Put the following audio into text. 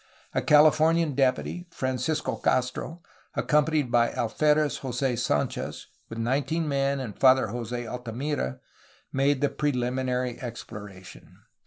A Californian deputy, Francisco Castro, accompanied by Alferez Jose Sanchez, with nineteen men, and Father Jose Altimira, made the preliminary exploration.